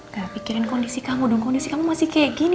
gak pikirin kondisi kamu dong kondisi kamu masih kayak gini